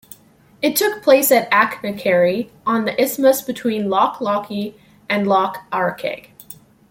It took place at Achnacarry, on the isthmus between Loch Lochy and Loch Arkaig.